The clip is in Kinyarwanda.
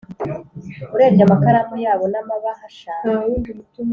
urebye amakaramu yabo n'amabahasha,